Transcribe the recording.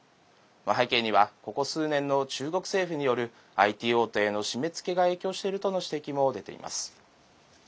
背景には、ここ数年の中国政府によるＩＴ大手への締めつけが影響しているとの指摘も出ています。